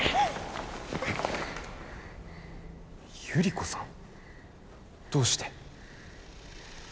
百合子さんどうして。